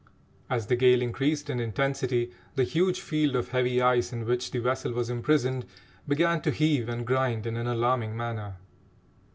As the gale increased in intensity, the huge field of heavy ice in which the vessel was imprisoned began to heave and grind in an alarming manner.